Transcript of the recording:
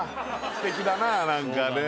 すてきだなあ何かね